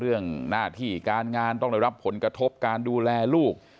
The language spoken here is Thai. เรื่องหน้าที่การงานต้องได้รับผลกระทบการดูแลลูก